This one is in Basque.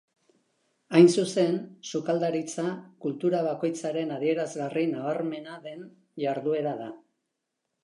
Hain zuzen, sukaldaritza kultura bakoitzaren adierazgarri nabarmena den jarduera da.